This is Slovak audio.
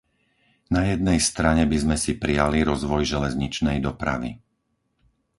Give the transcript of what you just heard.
Na jednej strane by sme si priali rozvoj železničnej dopravy.